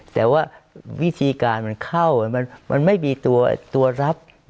แต่ว่าวิธีการมันเข้ามันไม่มีตัวรับ